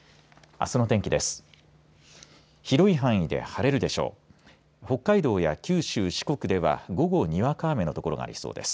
あすの天気です。